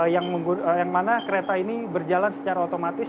yang mana kereta ini berjalan secara otomatis